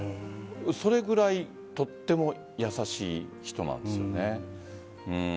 それぐらいとても優しい人なんですよね。